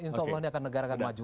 insya allah ini akan negarakan maju